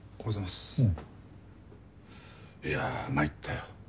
いや参ったよ。